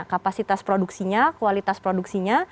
kapasitas produksinya kualitas produksinya